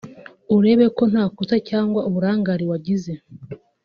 urebe ko nta kosa cyangwa uburangare wagize